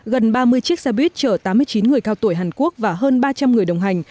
gần ba mươi chiếc xe buýt chở tám mươi chín người cao tuổi hàn quốc và hơn ba trăm linh người đồng hành